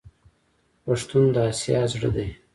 پښتون د اسیا زړه دی.